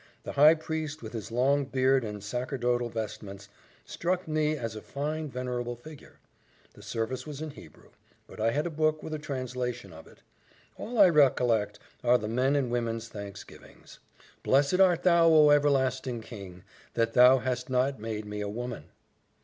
The high priest with his long beard and sacerdotal vestments, struck me as a fine venerable figure. The service was in Hebrew: but I had a book with a translation of it. All I recollect are the men and women's thanksgivings. "Blessed art thou, O Everlasting King! that thou hast not made me a woman."